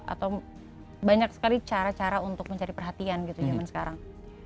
atau banyak sekali cara cara untuk mencari perhatian gitu zaman sekarang